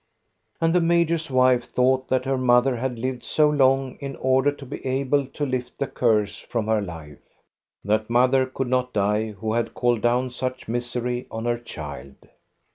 And the major's wife thought that her mother had lived so long in order to be able to lift the curse from her life. That mother could not die who had called down such misery on her child.